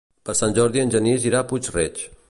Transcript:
Per Sant Jordi en Genís irà a Puig-reig.